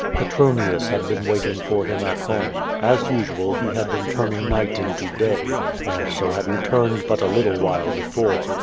Petronius had been waiting for him at home. As usual he had been turning night Wo day, and so had returned but a little while before.